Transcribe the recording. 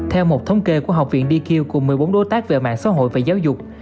theo một thống kê của học viện deq cùng một mươi bốn đối tác về mạng xã hội và giáo dục